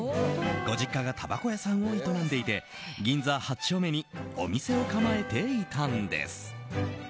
ご実家がたばこ屋さんを営んでいて銀座８丁目にお店を構えていたんです。